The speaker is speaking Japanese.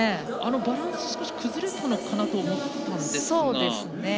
バランス、少し崩れたのかなと思ったんですが。